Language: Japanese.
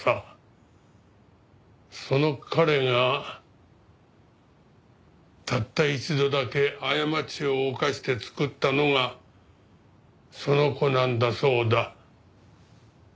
その彼がたった一度だけ過ちを犯してつくったのがその子なんだそうだ。